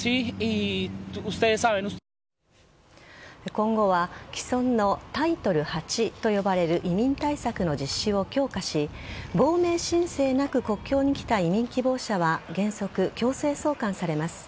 今後は既存のタイトル８と呼ばれる移民対策の実施を強化し亡命申請なく国境に来た移民希望者は原則、強制送還されます。